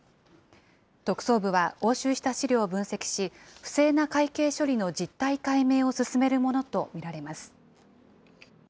特捜部は押収した資料を分析し、不正な会計処理の実態解明を進めるものと見られます。